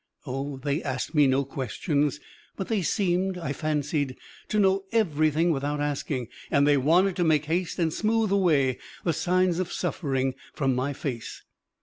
Oh, they asked me no questions, but they seemed, I fancied, to know everything without asking, and they wanted to make haste and smoothe away the signs of suffering from my face.